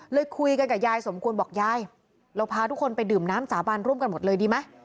เลยคุยกันกับยายสมควรบอกยายเราพาทุกคนไปดื่มน้ำสาบานร่วมกันหมดเลยดีไหม